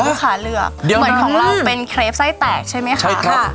ที่ลูกขาเลือกจริงเหมือนของเราเป็นคริปไส้แตกใช่ไหมคะ